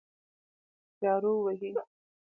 جارو وهي.